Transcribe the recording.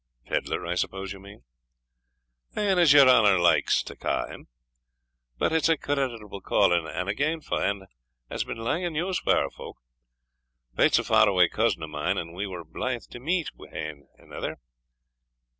"Pedlar, I suppose you mean?" "E'en as your honour likes to ca' him; but it's a creditable calling and a gainfu', and has been lang in use wi' our folk. Pate's a far awa cousin o' mine, and we were blythe to meet wi' ane anither."